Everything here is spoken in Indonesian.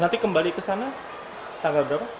nanti kembali ke sana tanggal berapa